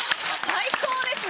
最高ですね！